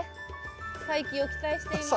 再起を期待しています。